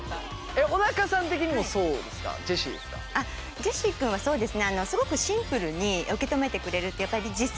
ジェシー君はそうですね